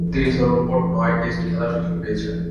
তিনি সর্বমোট নয় টেস্ট খেলার সুযোগ পেয়েছেন।